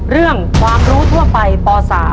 เรื่องความรู้ทั่วไปป๓